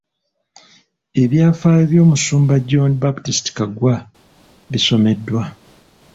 Ebyafaayo by'omusumba John Baptist Kaggwa bisomeddwa.